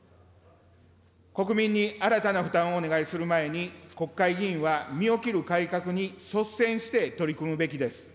国民に新たな負担をお願いする前に、国会議員は身を切る改革に率先して取り組むべきです。